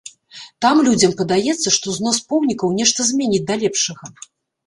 Там людзям падаецца, што знос помнікаў нешта зменіць да лепшага.